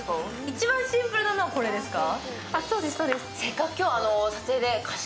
一番シンプルなのは、これですか？